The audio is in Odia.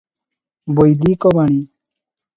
ବୈଦିକ ବାଣୀ